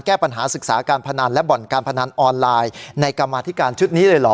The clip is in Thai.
แก้ปัญหาศึกษาการพนันและบ่อนการพนันออนไลน์ในกรรมาธิการชุดนี้เลยเหรอ